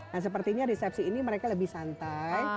nah sepertinya resepsi ini mereka lebih santai